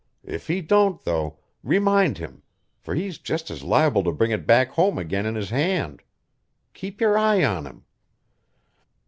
If he don't, though, remind him, for he's just as liable to bring it back home again in his hand. Keep your eye on him!"